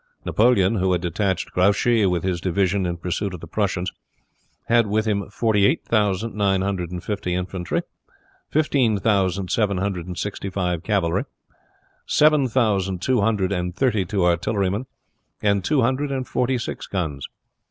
Napoleon, who had detached Grouchy with his division in pursuit of the Prussians, had with him forty eight thousand nine hundred and fifty infantry, fifteen thousand seven hundred and sixty five cavalry, seven thousand two hundred and thirty two artillerymen, and two hundred and forty six guns.